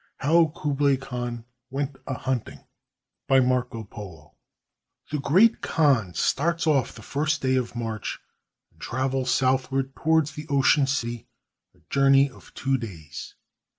HOW KUBLAI KHAN WENT A HUNTING BY MARCO POLO The Great Khan starts off on the first day of March and travels southward towards the Ocean Sea, a journey of two days.